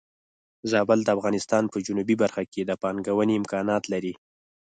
زابل د افغانستان په جنوبی برخه کې د پانګونې امکانات لري.